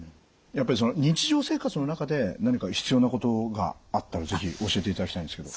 やっぱりその日常生活の中で何か必要なことがあったら是非教えていただきたいんですけど。